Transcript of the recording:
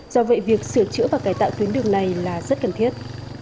do vậy việc sửa chữa và cải tạo tuyến đường này là rất cần thiết